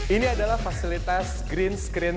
ini adalah fasilitas green screen